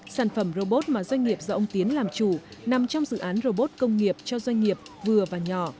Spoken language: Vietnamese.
sản phẩm robot mà doanh nghiệp do ông tiến làm chủ nằm trong dự án robot công nghiệp cho doanh nghiệp vừa và nhỏ